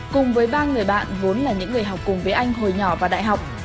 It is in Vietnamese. cùng với ba người bạn vốn là những người học cùng với anh hồi nhỏ và đại học